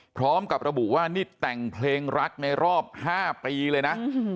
พร้อมกับระบุว่านี่แต่งเพลงรักในรอบ๕ปีเลยนะ